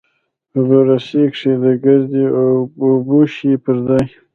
په بر سر کښې د کرزي او بوش پر ځاى.